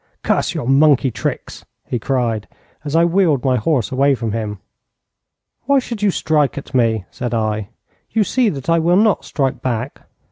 'Curse your monkey tricks!' he cried, as I wheeled my horse away from him. 'Why should you strike at me?' said I. 'You see that I will not strike back.'